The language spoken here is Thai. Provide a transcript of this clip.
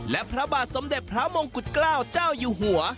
และพระบาทสมเด็จพระมงกุฎเกล้าเจ้าอยู่หัว